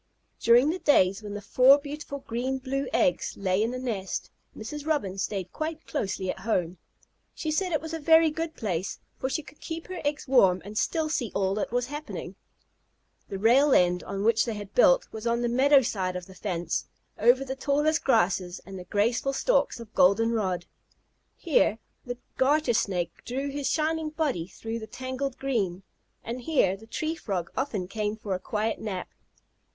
During the days when the four beautiful green blue eggs lay in the nest, Mrs. Robin stayed quite closely at home. She said it was a very good place, for she could keep her eggs warm and still see all that was happening. The rail end on which they had built was on the meadow side of the fence, over the tallest grasses and the graceful stalks of golden rod. Here the Garter Snake drew his shining body through the tangled green, and here the Tree Frog often came for a quiet nap.